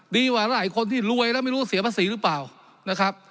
ดีกว่าหลายคนที่รวยแล้วไม่รู้เสียภาษีหรือเปล่านะครับ